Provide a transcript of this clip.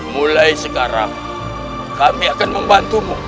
mulai sekarang kami akan membantumu